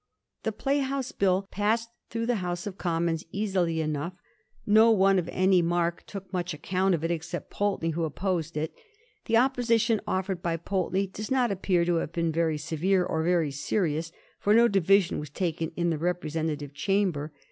The Playhouse Bill passed through the House of Com mons easily enough. No one of any mark took much ac count of it, except Pulteney, who opposed it. The op position offered by Pulteney does not appear to have been very severe or even serious, for no division was taken in the representative Chamber.